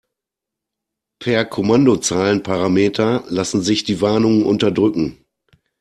Per Kommandozeilenparameter lassen sich die Warnungen unterdrücken.